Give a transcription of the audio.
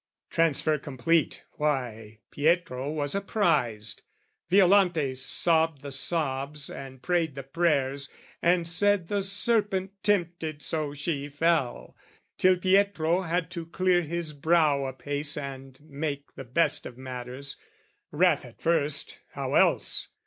Transfer complete, why, Pietro was apprised. Violante sobbed the sobs and prayed the prayers And said the serpent tempted so she fell, Till Pietro had to clear his brow apace And make the best of matters: wrath at first, How else?